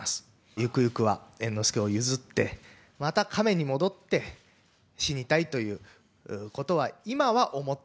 ゆくゆくは猿之助を譲って、また亀に戻って、死にたいということ